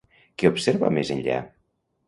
Què observa més enllà?